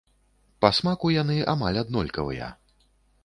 Па смаку яны амаль аднолькавыя.